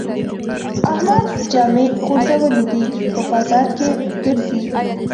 احمد جامې غورځولې دي؛ په بازار کې ګرځي.